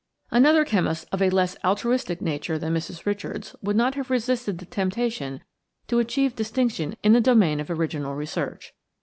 Another chemist of a less altruistic nature than Mrs. Richards would not have resisted the temptation to achieve distinction in the domain of original research.